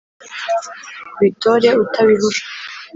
ubitore utabihusha